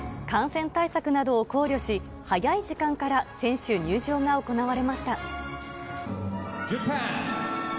感染対策などを考慮し、早い時間から選手入場が行われました。